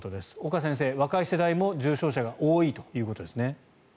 岡先生、若い世代も重症者が多いということですね。